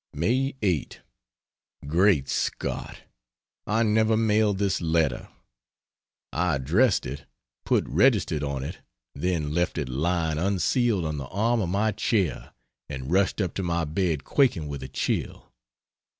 May 8. Great Scott! I never mailed this letter! I addressed it, put "Registered" on it then left it lying unsealed on the arm of my chair, and rushed up to my bed quaking with a chill.